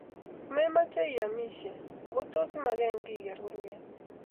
momeche oimis, ako tos imaken kiy iker kurke?